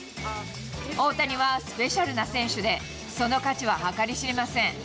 大谷はスペシャルな選手で、その価値は計り知れません。